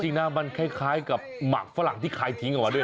จริงนะมันคล้ายกับหมักฝรั่งที่คลายทิ้งออกมาด้วย